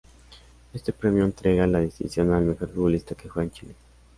Este premio entrega la distinción al mejor futbolista que juega en Chile.